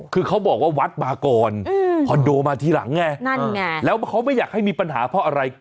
คือเขาบอกว่าวัดมาก่อนคอนโดมาทีหลังไงนั่นไงแล้วเขาไม่อยากให้มีปัญหาเพราะอะไร